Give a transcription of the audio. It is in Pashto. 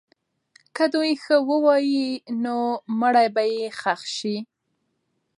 که دوی ښه ووایي، نو مړی به یې ښخ سي.